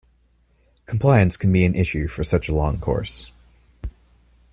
Compliance can be an issue for such a long course.